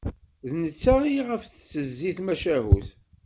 D netta i ɣef tettezzi tmacahut.